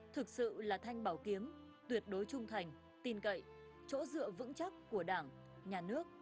thực sự là thanh bảo kiếm tuyệt đối trung thành tin cậy chỗ dựa vững chắc của đảng nhà nước